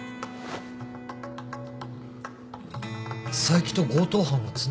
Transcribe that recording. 佐伯と強盗犯はつながってる？